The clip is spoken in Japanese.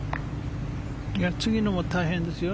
次のも大変ですよ